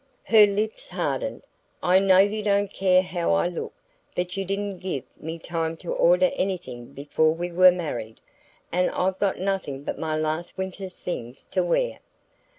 Her lips hardened. "I know you don't care how I look. But you didn't give me time to order anything before we were married, and I've got nothing but my last winter's things to wear."